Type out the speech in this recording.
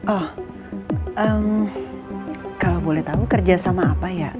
oh kalau boleh tahu kerjasama apa ya